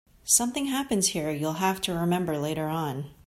Something happens here you'll have to remember later on.